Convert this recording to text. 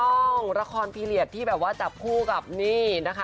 ต้องละครพีเหลียดที่แบบว่าจะผู้กับนี่นะคะ